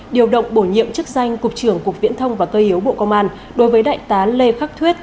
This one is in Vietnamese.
điều động bổ nhiệm chức danh cục trưởng cục viễn thông và cơ yếu bộ công an đối với đại tá lê khắc thuyết